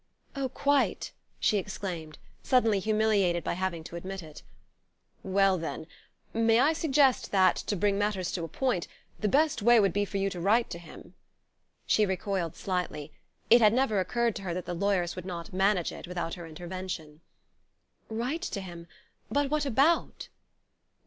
"Oh, quite!" she exclaimed, suddenly humiliated by having to admit it. "Well, then may I suggest that, to bring matters to a point, the best way would be for you to write to him?" She recoiled slightly. It had never occurred to her that the lawyers would not "manage it" without her intervention. "Write to him... but what about?"